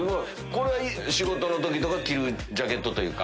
これは仕事の時とか着るジャケットというか。